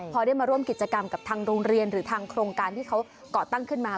พอได้มาร่วมกิจกรรมกับทางโรงเรียนหรือทางโครงการที่เขาก่อตั้งขึ้นมา